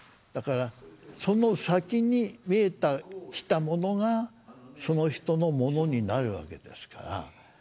だからその先に見えてきたものがその人のものになるわけですから。